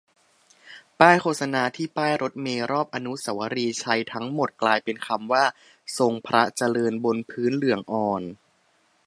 ป้ายโฆษณาที่ป้ายรถเมล์รอบอนุสาวรีย์ชัยทั้ง หมด กลายเป็นคำว่า "ทรงพระเจริญ" บนพื้นเหลืองอ่อน